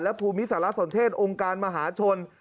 ภูมิสารสนเทศองค์การมหาชน